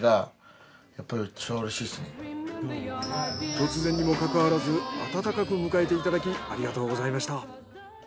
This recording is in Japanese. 突然にもかかわらず温かく迎えていただきありがとうございました。